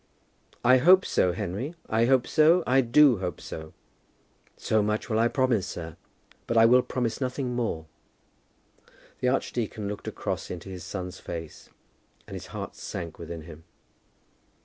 "I hope so, Henry; I hope so. I do hope so." "So much I will promise, sir; but I will promise nothing more." The archdeacon looked across into his son's face, and his heart sank within him.